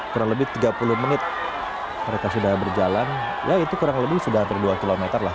kurang lebih tiga puluh menit mereka sudah berjalan ya itu kurang lebih sudah hampir dua km lah